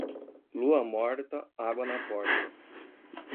Lua morta, água na porta.